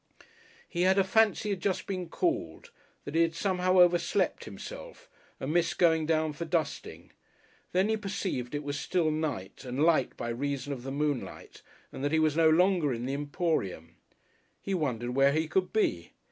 He had a fancy he had just been called, that he had somehow overslept himself and missed going down for dusting. Then he perceived it was still night and light by reason of the moonlight, and that he was no longer in the Emporium. He wondered where he could be.